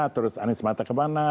terus anies mata kemana